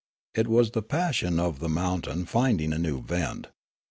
It was the passion of the mount ain finding new vent.